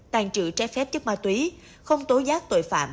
tàn trữ trái phép chất ma túy không tố giác tội phạm